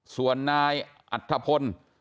ส่วนนายอัธพล